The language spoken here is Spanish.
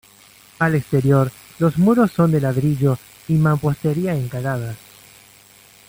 Al exterior, los muros son de ladrillo y mampostería encalada.